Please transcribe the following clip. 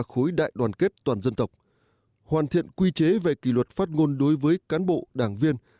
khối đại đoàn kết toàn dân tộc hoàn thiện quy chế về kỷ luật phát ngôn đối với cán bộ đảng viên